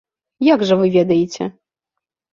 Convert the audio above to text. Як жа вы ведаеце?